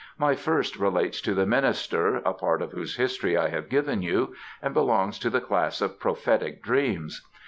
My first relates to the minister, a part of whose history I have given you, and belongs to the class of prophetic dreams.